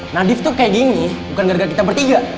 nadif tuh kayak gini bukan gara gara kita bertiga